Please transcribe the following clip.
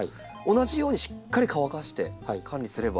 同じようにしっかり乾かして管理すれば。